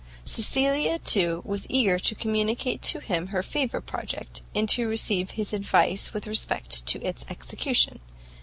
Cecilia, too, was eager to communicate to him her favourite project, and to receive his advice with respect to its execution.